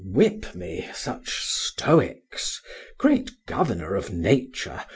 —Whip me such stoics, great Governor of Nature!